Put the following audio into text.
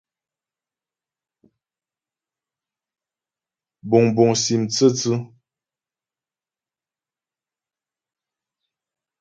Buŋbuŋ sim tsə́tsʉ́.